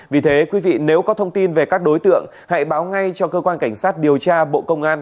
vì thế quý vị nếu có thông tin về các đối tượng hãy báo ngay cho cơ quan cảnh sát điều tra bộ công an